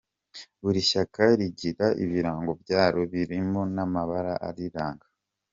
Buri shyaka rigira ibirango byaryo birimo n’ amabara ariranga.